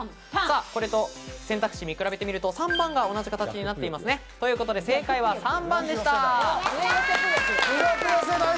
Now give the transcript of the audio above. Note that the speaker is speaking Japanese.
これと選択肢、見比べてみると、３番が同じ形になっていますね。ということで正解は３番でした。